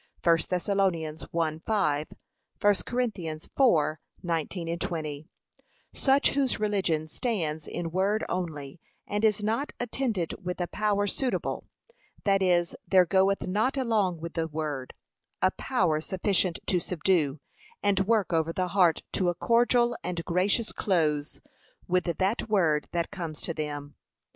(1 Thess 1:5; 1 Cor 4:19,20) Such whose religion stands in word only, and is not attended with a power suitable; that is, there goeth not along with the word, a power sufficient to subdue, and work over the heart to a cordial and gracious close with that word that comes to them.